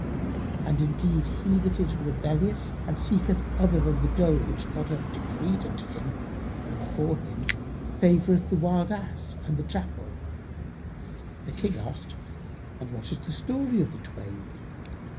And indeed he that is rebellious and seeketh other than the dole which God hath decreed unto him and for him, favoureth the wild Ass and the Jackal.''[FN#79] The King asked, "And what is the story of the twain?"